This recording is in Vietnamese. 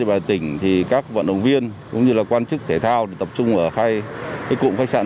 địa bàn tỉnh thì các vận động viên cũng như là quan chức thể thao tập trung ở khai cái cụm khách sạn